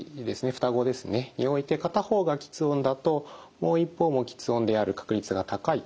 双子ですねにおいて片方が吃音だともう一方も吃音である確率が高いと。